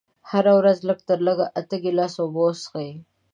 هره ورځ لږ تر لږه اته ګيلاسه اوبه وڅښئ.